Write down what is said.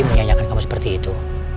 menyanyikan kamu seperti itu